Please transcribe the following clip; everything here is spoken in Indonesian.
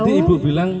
tadi ibu bilang